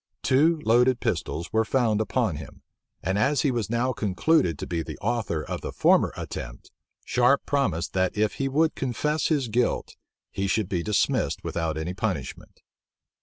Two loaded pistols were found upon him; and as he was now concluded to be the author of the former attempt, Sharpe promised that if he would confess his guilt, he should be dismissed without any punishment.